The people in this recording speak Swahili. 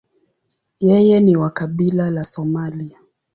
Yeye ni wa kabila la Somalia.